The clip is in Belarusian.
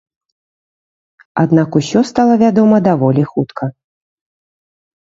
Аднак усё стала вядома даволі хутка.